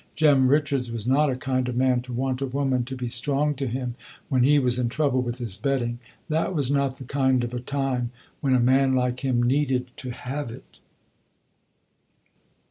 Jem Richards was not a kind of man to want a woman to be strong to him, when he was in trouble with his betting. That was not the kind of a time when a man like him needed to have it.